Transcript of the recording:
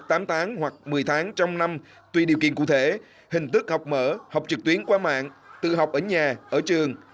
tám tháng hoặc một mươi tháng trong năm tùy điều kiện cụ thể hình tức học mở học trực tuyến qua mạng tự học ở nhà ở trường